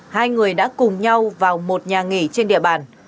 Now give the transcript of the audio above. hai người đã cùng nhau vào một nhà nghỉ trên địa bàn